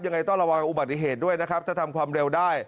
ยังไงต้องระวังอุบัติเหตุด้วยนะครับถ้าทำความเร็วได้